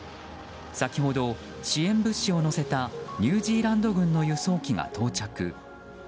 先ほど、支援物資を載せたニュージーランド軍の輸送機が到着。